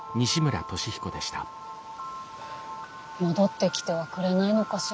戻ってきてはくれないのかしら。